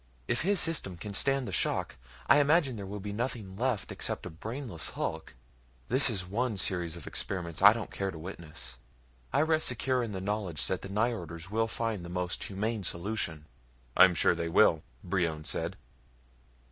"If his system can stand the shock, I imagine there will be nothing left except a brainless hulk. This is one series of experiments I don't care to witness. I rest secure in the knowledge that the Nyjorders will find the most humane solution." "I'm sure they will," Brion said.